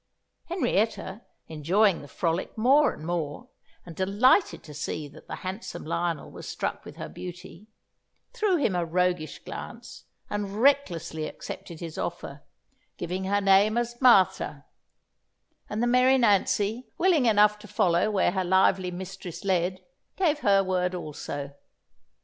Henrietta, enjoying the frolic more and more, and delighted to see that the handsome Lionel was struck with her beauty, threw him a roguish glance, and recklessly accepted his offer, giving her name as Martha; and the merry Nancy, willing enough to follow where her lively mistress led, gave her word also.